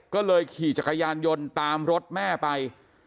ก็เลยขี่จักรยานยนต์ตามรถแม่ไป